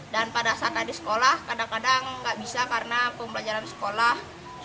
dan pada saat hari sekolah kadang kadang nggak bisa karena pembelajaran sekolah